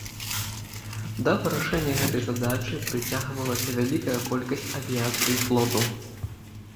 Да вырашэння гэтай задачы прыцягвалася вялікая колькасць авіяцыі флоту.